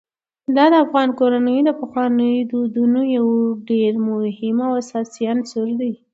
دا د افغان کورنیو د پخوانیو دودونو یو ډېر مهم او اساسي عنصر دی.